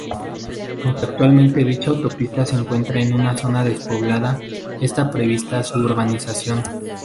Aunque actualmente dicha autopista se encuentra en una zona despoblada, esta prevista su urbanización.